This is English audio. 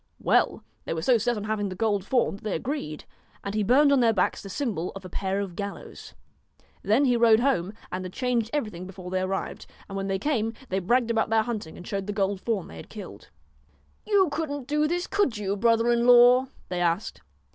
Well they were so set on having the gold fawn that they agreed, and he burned on their backs the symbol of a pair of gallows. Then he rode home, and had changed everything before they arrived ; and when they came, they bragged about their hunting and showed the gold fawn they had killed. 1 You couldn't do this, could you, brother in law ?' they asked.